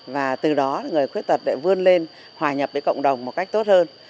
và từ đó người khuyết tật lại vươn lên hòa nhập với cộng đồng một cách tốt hơn